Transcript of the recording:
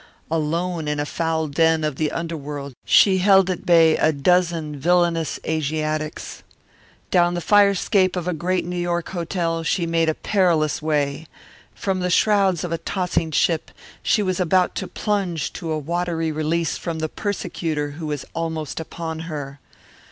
Alone in a foul den of the underworld she held at bay a dozen villainous Asiatics. Down the fire escape of a great New York hotel she made a perilous way. From the shrouds of a tossing ship she was about to plunge to a watery release from the persecutor who was almost upon her.